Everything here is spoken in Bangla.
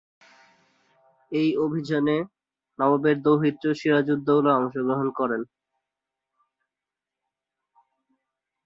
এ অভিযানে নবাবের দৌহিত্র সিরাজউদ্দৌলা অংশগ্রহণ করেন।